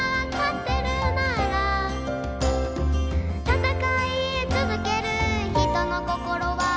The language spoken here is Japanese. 「たたかい続ける人の心は」